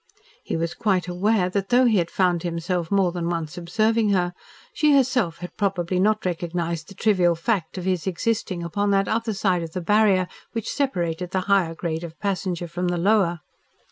He was quite aware that though he had found himself more than once observing her, she herself had probably not recognised the trivial fact of his existing upon that other side of the barrier which separated the higher grade of passenger from the lower.